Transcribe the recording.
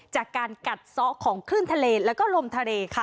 จากการกัดซ้อของคลื่นทะเลแล้วก็ลมทะเลค่ะ